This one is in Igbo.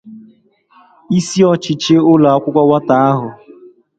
Isi ọchịchị ụlọakwụkwọ nwata ahụ